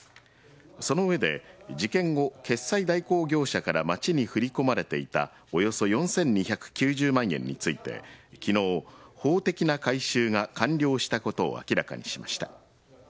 その上で、事件後決済代行業者から町に振り込まれていたおよそ４２９０万円について昨日法的な回収が完了したことを明らかにしました。